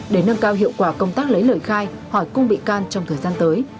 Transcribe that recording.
để nâng cao hiệu quả công tác lấy lời khai hỏi cung bị can trong thời gian tới